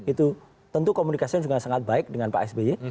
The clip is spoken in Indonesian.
itu tentu komunikasinya juga sangat baik dengan pak sby